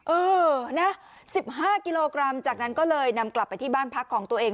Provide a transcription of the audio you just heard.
เออนะ๑๕กิโลกรัมจากนั้นก็เลยนำกลับไปที่บ้านพักของตัวเอง